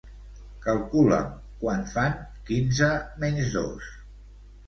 Calcula'm quant fan quinze menys dos.